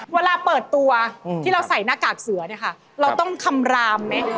เวลาเปิดตัวที่เราใส่หน้ากากเสือเนี่ยค่ะเราต้องคำรามไหม